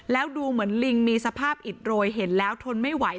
แล้วดูเหมือนลิงมีสภาพอิดโรยเห็นแล้วทนไม่ไหว